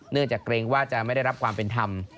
จากเกรงว่าจะไม่ได้รับความเป็นธรรม